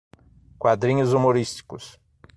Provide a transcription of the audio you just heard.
Quadrinhos humorísticos